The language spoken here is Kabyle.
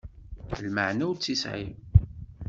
Lmeɛna ur tt-yesɛi.